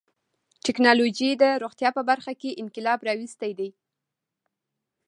ټکنالوجي د روغتیا په برخه کې انقلاب راوستی دی.